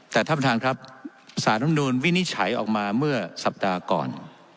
แต่ท่านประธานครับสารธรรมนูลวินิจฉัยออกมาเมื่อสัปดาห์ก่อน